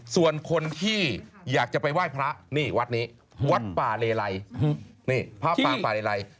ส่วนคนที่อยากจะไปไหว้พระแรรไล่